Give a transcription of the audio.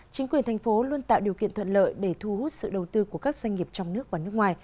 chính quyền thành phố luôn tạo điều kiện thuận lợi để thu hút sự đầu tư của các doanh nghiệp trong nước và nước ngoài